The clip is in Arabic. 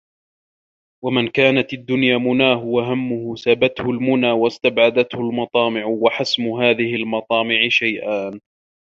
وَمَنْ كَانَتْ الدُّنْيَا مُنَاهُ وَهَمُّهُ سَبَتْهُ الْمُنَى وَاسْتَعْبَدَتْهُ الْمَطَامِعُ وَحَسْمُ هَذِهِ الْمَطَامِعِ شَيْئَانِ